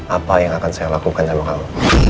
apa yang akan saya lakukan sama kamu